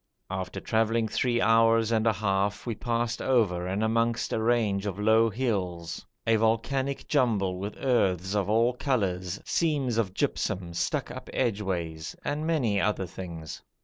After travelling three hours and a half we passed over and amongst a range of low hills, a volcanic jumble with earths of all colours, seams of gypsum stuck up edgeways, and many other things.